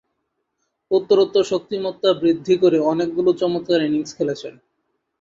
উত্তরোত্তর শক্তিমত্তা বৃদ্ধি করে অনেকগুলো চমৎকার ইনিংস খেলেছেন।